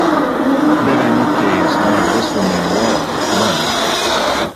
Berenice is warned this will mean war with Rome.